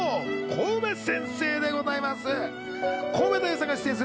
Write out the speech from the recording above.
コウメ先生でございます。